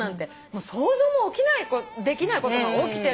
想像もできないことが起きてるから。